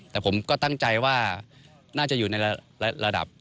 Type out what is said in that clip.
แต่ผมก็ตั้งใจว่าน่าจะอยู่ในระดับ